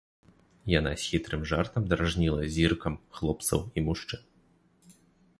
Яна з хітрым жартам дражніла зіркам хлопцаў і мужчын.